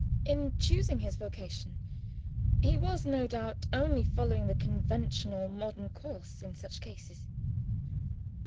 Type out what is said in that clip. In choosing his vocation, he was, no doubt, only following the conventional modern course in such cases.